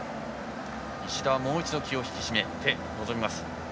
石田はもう一度気を引き締めて臨みます。